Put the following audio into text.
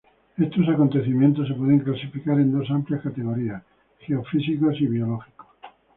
Estos eventos se pueden clasificar en dos amplias categorías: geofísicos y biológicos.